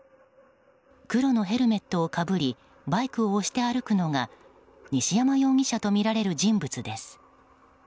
黒のヘルメットをかぶりバイクを押して歩くのが西山容疑者とみられる人物です。